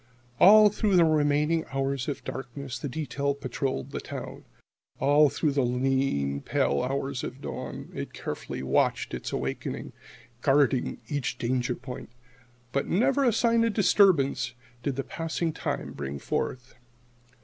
All through the remaining hours of darkness the detail patrolled the town. All through the lean, pale hours of dawn it carefully watched its wakening, guarded each danger point. But never a sign of disturbance did the passing time bring forth.